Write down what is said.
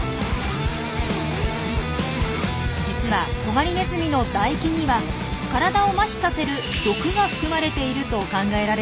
実はトガリネズミの唾液には体をマヒさせる毒が含まれていると考えられています。